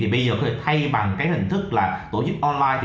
bây giờ có thể thay bằng hình thức tổ chức online